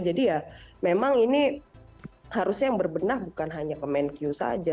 jadi ya memang ini harusnya yang berbenah bukan hanya kemenkyu saja